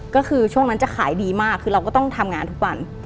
ก็คือช่วงนั้นจะขายดีมากคือเราก็ต้องทำงานทุกวัน